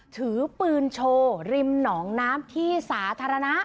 ถือปืนโชว์ริมหนองน้ำที่สาธารณะ